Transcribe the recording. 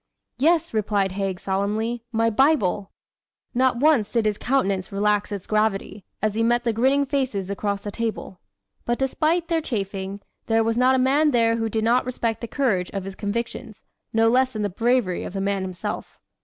"Yes," replied Haig solemnly, "my Bible!" Not once did his countenance relax its gravity, as he met the grinning faces across the table. But despite their chaffing, there was not a man there who did not respect the courage of his convictions, no less than the bravery of the man himself.